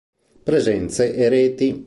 Presenze e reti.